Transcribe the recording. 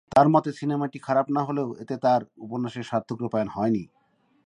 তার মতে, সিনেমাটি খারাপ না হলেও এতে তার উপন্যাসের সার্থক রূপায়ণ হয়নি।